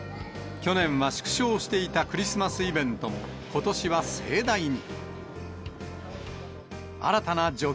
去年は縮小していたクリスマスイベントもことしは盛大に。